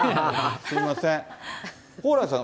すみません。